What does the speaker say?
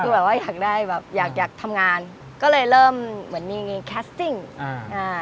คือแบบว่าอยากได้แบบอยากอยากทำงานก็เลยเริ่มเหมือนมีแคสติ้งอ่าอ่า